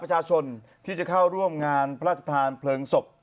จะเข้าร่วมงานพระศทานเพลิงศพ